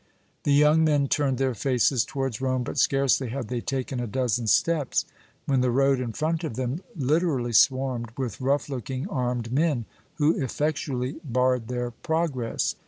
The young men turned their faces towards Rome, but scarcely had they taken a dozen steps when the road in front of them literally swarmed with rough looking armed men, who effectually barred their progress.